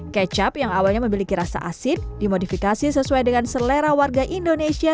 kecap yang awalnya memiliki rasa asin dimodifikasi sesuai dengan selera warga indonesia